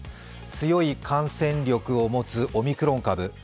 強い感染力を持つオミクロン株。